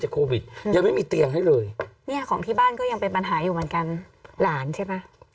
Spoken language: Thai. โควิดยังไม่มีเตียงให้เลยเนี่ยของที่บ้านก็ยังเป็นปัญหาอยู่เหมือนกันหลานใช่ไหม